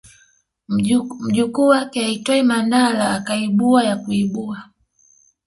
Mjukuu wake aitwaye Mandla akaibua ya kuibua